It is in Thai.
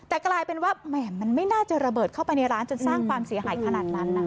แต่กลายเป็นว่าแหม่มันไม่น่าจะระเบิดเข้าไปในร้านจนสร้างความเสียหายขนาดนั้นนะ